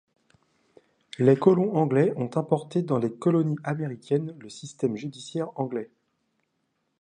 Les colons anglais ont importé dans les colonies américaines le système judiciaire anglais.